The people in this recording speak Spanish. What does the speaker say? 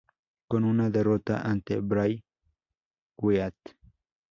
Con una derrota ante Bray Wyatt.